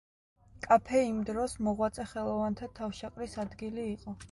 კაფე იმ დროს მოღვაწე ხელოვანთა თავშეყრის ადგილი იყო.